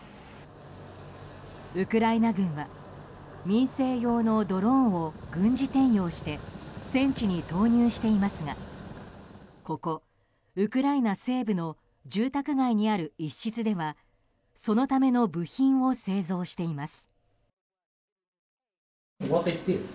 ウクライナ軍は民生用のドローンを軍事転用して戦地に投入していますがここウクライナ西部の住宅街にある一室ではそのための部品を製造しています。